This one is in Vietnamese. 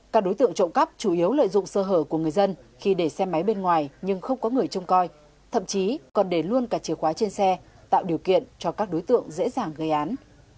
các đối tượng trộm cắp chủ yếu lợi dụng sơ hở của người dân khi để xe máy bên ngoài nhưng không có người trông coi thậm chí còn để luôn cả chìa khóa trên xe tạo điều kiện cho các đối tượng dễ dàng gây án